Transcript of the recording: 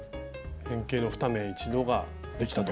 変形の２目一度ができたと。